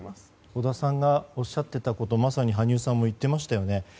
織田さんがおっしゃってたことまさに羽生さんも言っていましたよね。